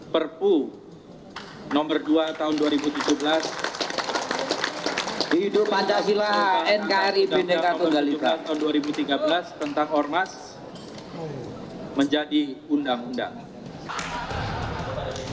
perpu nomor dua tahun dua ribu tujuh belas tentang ormas menjadi undang undang